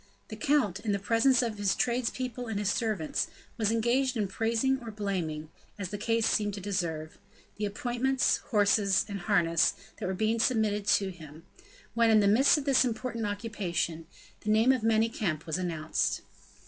The count, in the presence of his tradespeople and of his servants, was engaged in praising or blaming, as the case seemed to deserve, the appointments, horses, and harness that were being submitted to him; when, in the midst of this important occupation, the name of Manicamp was announced.